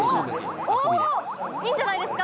いいんじゃないですか？